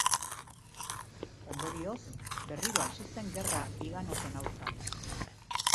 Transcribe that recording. Ondorioz, berriro hasi zen gerra higanoten aurka.